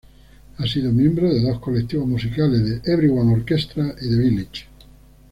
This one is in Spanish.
Ha sido miembro de dos colectivos musicales, The Everyone Orchestra y The Village.